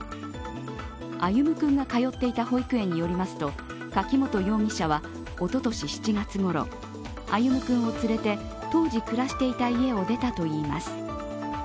歩夢君が通っていた保育園によりますと柿本容疑者は、おととし７月ごろ、歩夢君を連れて、当時暮らしていた家を出たといいます。